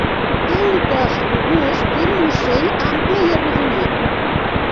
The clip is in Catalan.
Té un cos robust i un musell ample i arrodonit.